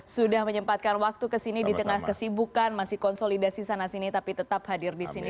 sudah menyempatkan waktu kesini di tengah kesibukan masih konsolidasi sana sini tapi tetap hadir di sini